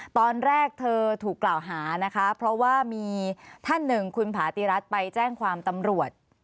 ตอนแรกเธอถูกกล่าวหานะคะเพราะว่ามีท่านหนึ่งคุณผาติรัฐไปแจ้งความตำรวจ